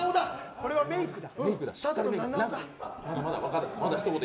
これはメークだ。